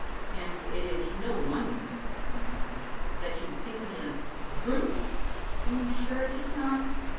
" And it is no wonder," he continued, " that you think me a — a brute." "I'm sure it is not."